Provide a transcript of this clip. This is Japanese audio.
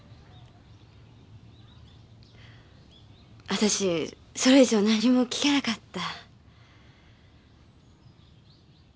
あたしそれ以上何も聞けなかった。